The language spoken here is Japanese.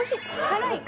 辛い？